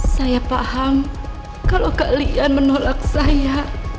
saya paham kalau kalian menolak saya